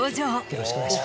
よろしくお願いします。